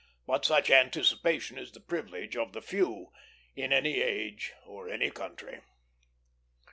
But such anticipation is the privilege of the few in any age or any country.